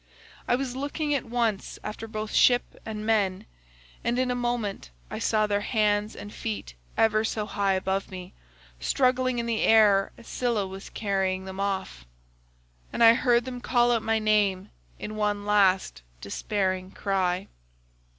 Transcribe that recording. I was looking at once after both ship and men, and in a moment I saw their hands and feet ever so high above me, struggling in the air as Scylla was carrying them off, and I heard them call out my name in one last despairing cry.